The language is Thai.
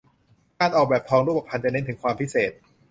การออกแบบทองรูปพรรณจะเน้นถึงความพิเศษ